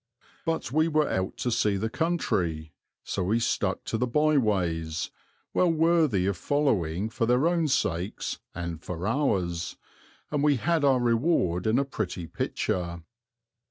But we were out to see the country; so we stuck to the byways, well worthy of following for their own sakes and for ours, and we had our reward in a pretty picture.